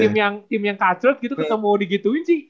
soal tim yang tim yang kacret gitu tetemu di gituin sih